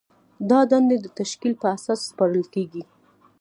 دا دندې د تشکیل په اساس سپارل کیږي.